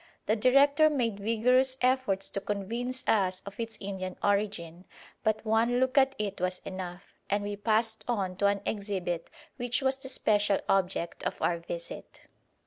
The director made vigorous efforts to convince us of its Indian origin, but one look at it was enough; and we passed on to an exhibit which was the special object of our visit.